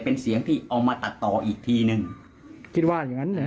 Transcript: เป็นเสียงที่เอามาตัดต่ออีกทีหนึ่ง